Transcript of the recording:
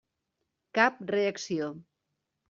Cap reacció.